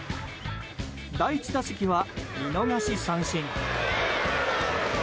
第１打席は見逃し三振。